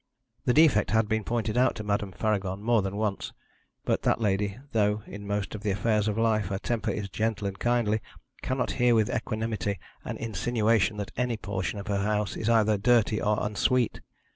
The defect had been pointed out to Madame Faragon more than once; but that lady, though in most of the affairs of life her temper is gentle and kindly, cannot hear with equanimity an insinuation that any portion of her house is either dirty or unsweet.